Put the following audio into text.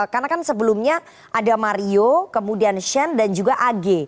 karena kan sebelumnya ada mario kemudian shane dan juga ag